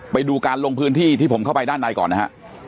ไปดูการลงพื้นที่ที่ผมเข้าไปด้านในก่อนนะฮะ